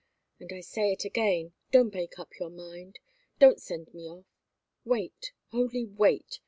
And I say it again don't make up your mind don't send me off wait only wait!